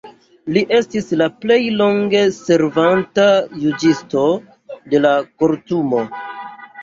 Li estis la plej longe servanta juĝisto de la Kortumo.